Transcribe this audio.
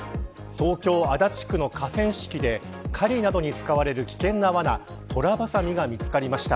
東京・足立区の河川敷で狩りなどに使われる危険なわなトラバサミが見つかりました。